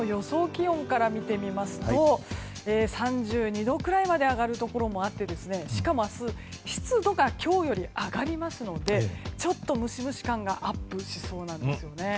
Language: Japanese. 気温から見てみますと３２度くらいまで上がるところもあってしかも明日湿度が今日より上がりますのでちょっとムシムシ感がアップしそうなんですよね。